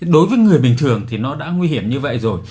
đối với người bình thường thì nó đã nguy hiểm như vậy rồi